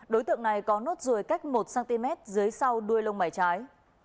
đối tượng này có nốt ruồi cách một cm dưới sau đuôi lông mảy trái